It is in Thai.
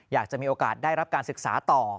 อยากจะมีโอกาสได้รับการศึกษาต่อ